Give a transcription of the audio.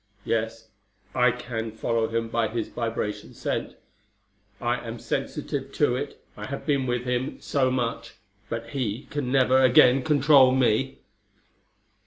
"Yes. I can follow him by his vibration scent. I am sensitive to it, I have been with him so much. But he can never again control me!"